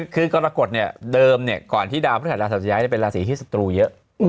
คือกรกฎเดิมก่อนที่ดาวพระธรรมศาสตร์ย้ายได้เป็นลาศีธิษฎูเยอะ